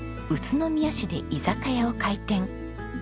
宇都宮市で居酒屋を開店。